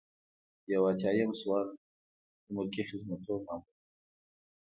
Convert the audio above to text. یو ایاتیام سوال د ملکي خدمتونو مامور دی.